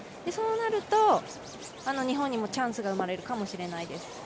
そうなると、日本にもチャンスが生まれるかもしれないです。